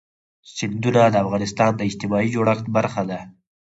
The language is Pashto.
سیندونه د افغانستان د اجتماعي جوړښت برخه ده.